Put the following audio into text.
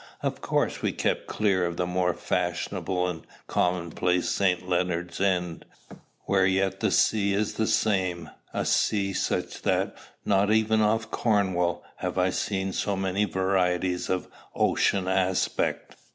Of course we kept clear of the more fashionable and commonplace St. Leonard's End, where yet the sea is the same, a sea such that, not even off Cornwall, have I seen so many varieties of ocean aspect.